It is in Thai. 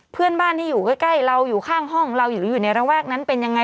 เพื่อนบ้านที่อยู่ใกล้เราอยู่ข้างห้องเราหรืออยู่ในระแวกนั้นเป็นยังไง